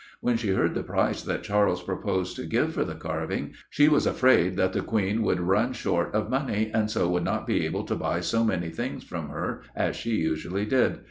When she heard the price that Charles proposed to give for the carving, she was afraid that the Queen would run short of money, and so would not be able to buy so many things from her as she usually did.